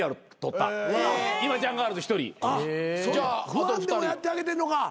ファンでもやってあげてんのか。